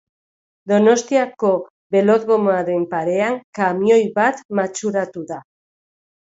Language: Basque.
Donostiako belodromoaren parean kamioi bat matxuratu da.